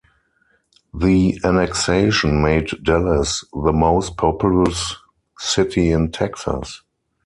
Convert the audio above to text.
The annexation made Dallas the most populous city in Texas.